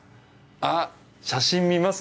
あ写真見ます？